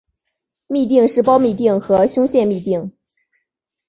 嘧啶是胞嘧啶和胸腺嘧啶。